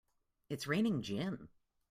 It's raining gin!